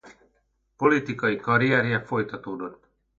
Politikai karrierje folytatódott.